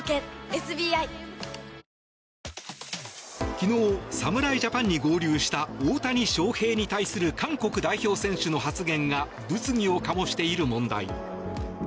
昨日、侍ジャパンに合流した大谷翔平に対する韓国代表選手の発言が物議を醸している問題。